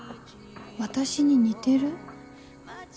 私に似てる？